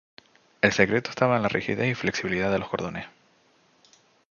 El secreto estaba en la rigidez y flexibilidad de los cordones.